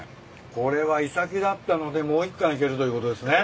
これはイサキだったのでもう１貫いけるということですね。